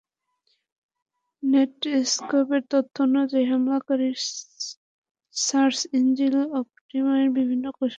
নেটস্কোপের তথ্যানুযায়ী, হামলাকারীরা search engine অপটিমাইজেশনের বিভিন্ন কৌশল ব্যবহার করছে।